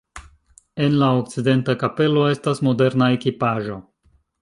En la okcidenta kapelo estas moderna ekipaĵo.